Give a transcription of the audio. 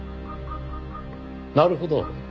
なるほど。